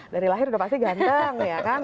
dari lahir udah pasti ganteng ya kan